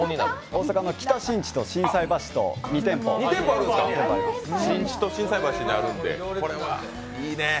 大阪の北新地と心斎橋と２店舗ありますね。